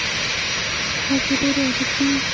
درد ورو ورو عادت کېږي.